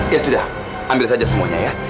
ya sudah ambil saja semuanya ya